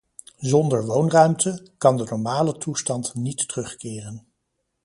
Zonder woonruimte, kan de normale toestand niet terugkeren.